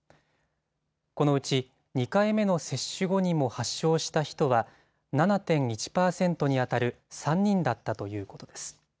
このうち、２回目の接種後にも発症した人は７．１％にあたる３人だったということです。